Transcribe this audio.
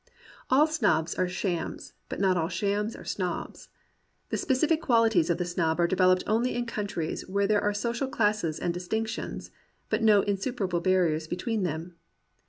All snobs are shams, but not all shams are snobs. The sj>ecific qualities of the snob are developed only in countries where there are social classes and dis tinctions, but no insuperable barriers between them.